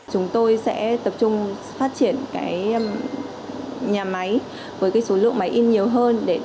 chúng tôi sẽ tập trung phát triển cái nhà máy với cái số lượng máy in nhiều hơn